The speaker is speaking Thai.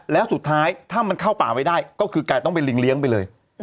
แล้วสุดท้ายถ้ามันเข้าป่าไม่ได้ก็คือกลายต้องเป็นลิงเลี้ยงไปเลย